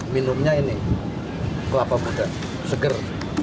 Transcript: minumnya ini kelapa muda seger